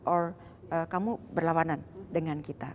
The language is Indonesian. or kamu berlawanan dengan kita